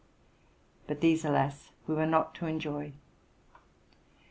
But these, alas ! we were not to enjoy.